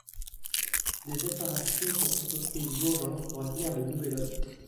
Des réparations sont entreprises d'urgence pour accueillir le nouvel hôte.